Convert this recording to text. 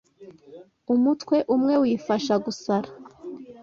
Umutwe umwe wifasha gusara